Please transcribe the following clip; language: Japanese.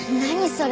それ。